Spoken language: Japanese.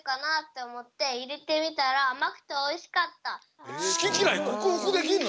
もともとすききらいこくふくできんの！？